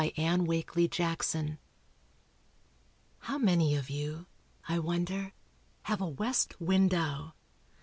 ANNE WAKELY JACKSON. How many of you, I wonder, have a west window?